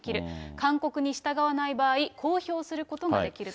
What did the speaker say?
勧告に従わない場合、公表することができると。